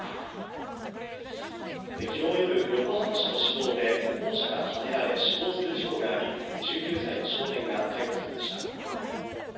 きのう夜、横浜市の市道で歩行者がはねられ死亡する事故があり、１９歳の少年が逮捕されました。